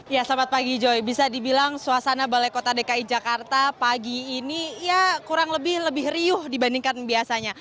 ya selamat pagi joy bisa dibilang suasana balai kota dki jakarta pagi ini ya kurang lebih lebih riuh dibandingkan biasanya